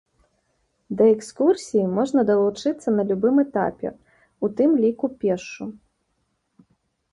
Да экскурсіі можна далучыцца на любым этапе, у тым ліку пешшу.